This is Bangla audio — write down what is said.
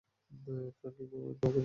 ফ্রাংক কিংবা ওয়েন কাউকেই দেখিনি।